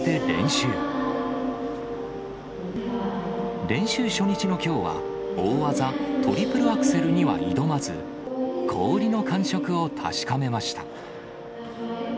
練習初日のきょうは、大技、トリプルアクセルには挑まず、氷の感触を確かめました。